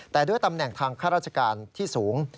แต่ด้วยตำแหน่งทางข้าราชการที่สูง